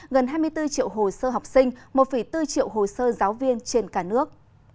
gần hai mươi bốn triệu hồ sơ học sinh một bốn triệu hồ sơ giáo viên trên cả nước